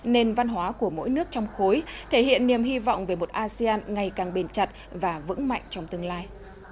nền văn hóa của mỗi nước trong khối thể hiện niềm hy vọng về một asean ngày càng bền chặt và vững mạnh trong tương lai